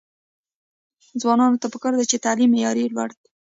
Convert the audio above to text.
ځوانانو ته پکار ده چې، تعلیم معیار لوړ کړي.